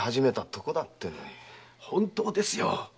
本当ですよ。